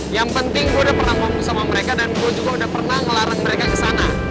yang penting gue udah pernah ngomong sama mereka dan gue juga udah pernah ngelarang mereka ke sana